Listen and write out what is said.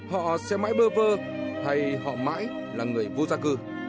họ sẽ mãi bơ vơ hay họ mãi là người vô gia cư